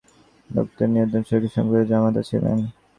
তিনি কলকাতার বিখ্যাত চিকিৎসক ড. নীলরতন সরকারের সম্পর্কে জামাতা ছিলেন।